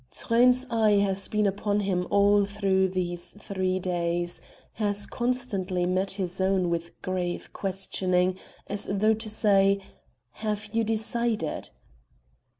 Truyn's eye has been upon him all through these three days, has constantly met his own with grave questioning, as though to say: "Have you decided?"